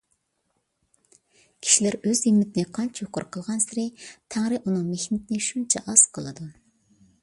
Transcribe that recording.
كىشىلەر ئۆز ھىممىتىنى قانچە يۇقىرى قىلغانسېرى، تەڭرى ئۇنىڭ مېھنىتىنى شۇنچە ئاز قىلىدۇ.